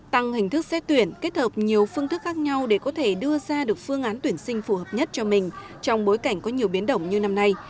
tăng hình thức xét tuyển kết hợp nhiều phương thức khác nhau để có thể đưa ra được phương án tuyển sinh phù hợp nhất cho mình trong bối cảnh có nhiều biến động như năm nay